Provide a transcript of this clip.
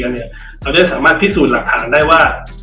เราจะสามารถพิสูจน์หลักฐานได้ว่า